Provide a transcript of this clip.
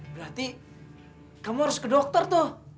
berarti kamu harus ke dokter tuh